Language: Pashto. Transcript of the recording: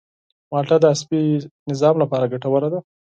مالټه د عصبي سیستم لپاره ګټوره ده.